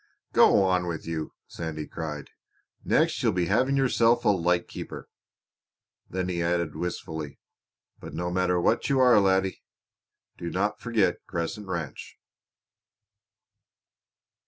"Go on with you!" Sandy cried. "Next you'll be having yourself a lighthouse keeper." Then he added wistfully: "But no matter what you are, laddie, dinna forget Crescent Ranch."